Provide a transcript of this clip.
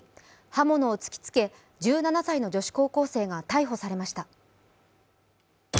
刃物を突きつけ１７歳の女子高校生が逮捕されました。